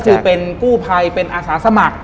คือเป็นกู้ภัยเป็นอาสาสมัคร